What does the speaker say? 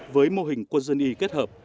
với mô hình quân dân y kết hợp